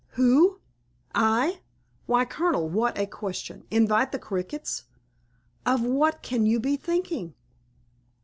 "Who? I? Why, Colonel, what a question! Invite the Crickets? Of what can you be thinking?"